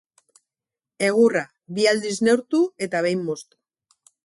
Egurra, bi aldiz neurtu eta behin moztu.